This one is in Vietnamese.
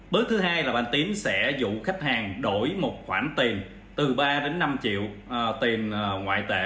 bước thứ hai là bạn tín sẽ dụ khách hàng đổi một khoản tiền từ ba đến năm triệu tiền ngoại tệ